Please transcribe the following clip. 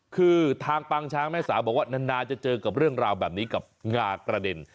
คือทางปางช้างแม่สาวบอกว่านานจะเจอกับเรื่องราวแบบนี้กับงากระเด็น